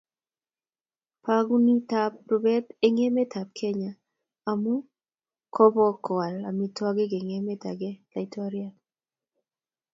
Pegunati rubet eng emet ab Kenya amu kopkoal amitwokik eng emet ake laitoriate